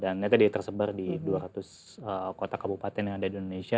dan ini tadi tersebar di dua ratus kota kabupaten yang ada di indonesia